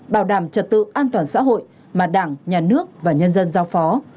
bảo đảm trật tự an toàn xã hội mà đảng nhà nước và nhân dân giao phó